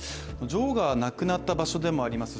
女王が亡くなった場所でもあります